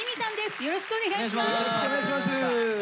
よろしくお願いします。